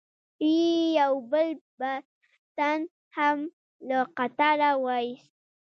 یې یو بل تن هم له قطاره و ایست.